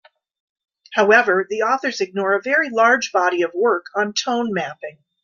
However, the authors ignore a very large body of work on tone mapping.